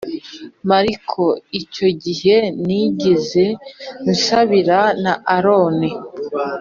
M ariko icyo gihe ninginze n nsabira na aroni